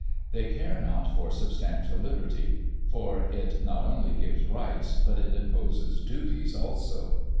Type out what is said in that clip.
They care not for substantial liberty, for it not only gives rights, but it imposes duties also.